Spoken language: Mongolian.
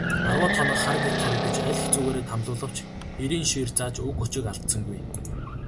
Арваад хоног хар гэрт хоригдож, аль хэцүүгээр тамлуулавч эрийн шийр зааж үг өчиг алдсангүй.